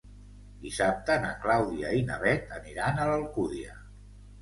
Dissabte na Clàudia i na Bet aniran a l'Alcúdia.